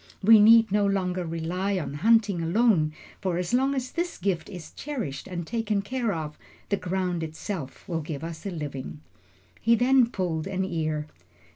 We need no longer rely on hunting alone, for as long as this gift is cherished and taken care of, the ground itself will give us a living." He then pulled an ear.